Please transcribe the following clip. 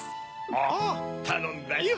ああたのんだよ。